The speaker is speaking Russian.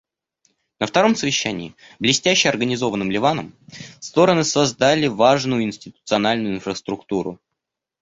На втором совещании, блестяще организованном Ливаном, стороны создали важную институциональную инфраструктуру.